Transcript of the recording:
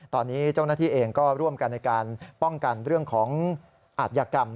ตอนนี้เจ้าหน้าที่เองก็ร่วมกันในการป้องกันเรื่องของอาทยากรรม